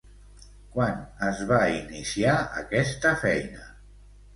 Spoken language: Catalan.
Quan es va iniciar aquesta feina?